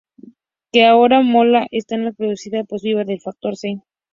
que ahora mola más estar paliducha pues viva el factor C